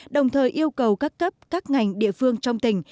đồng thời yêu cầu các cấp các ngành địa phương trong tỉnh